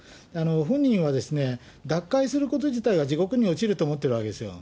本人は脱会すること自体が、地獄に落ちると思ってるわけですよ。